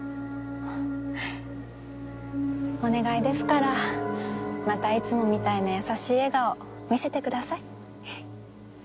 お願いですからまたいつもみたいな優しい笑顔見せてください私に。